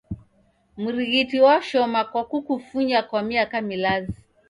Mrighiti washoma kwa kukufunya kwa miaka milazi.